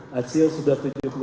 hasil sudah tujuh puluh